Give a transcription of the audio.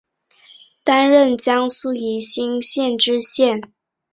担任江苏宜兴县知县。